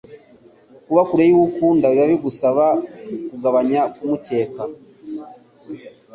Kuba kure yuwo ukunda biba bigusaba kugabanya kumukeka